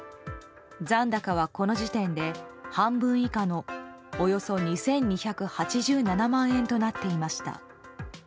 残高はこの時点で、半分以下のおよそ２２８７万円となっていました。